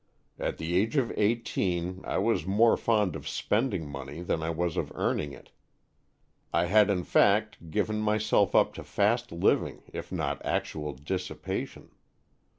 At the age of eighteen I was more fond of spending money than I was of earning it. I had in fact given myself up to fast living, if not actual dissipation.